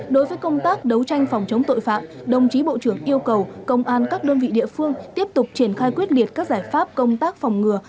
đối với công tác đấu tranh phòng chống tội phạm đồng chí bộ trưởng yêu cầu công an các đơn vị địa phương tiếp tục triển khai quyết liệt các giải pháp công tác phòng ngừa